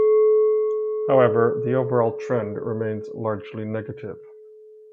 However, the overall trend remains largely negative.